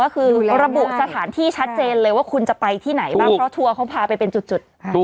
ก็คือระบุสถานที่ชัดเจนเลยว่าคุณจะไปที่ไหนบ้างเพราะทัวร์เขาพาไปเป็นจุด